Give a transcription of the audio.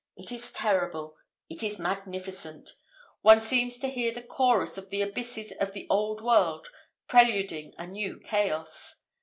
It is terrible, it is magnificent; one seems to hear the chorus of the abysses of the old world preluding a new chaos.